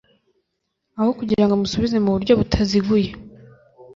aho kugira ngo amusubize mu buryo butaziguye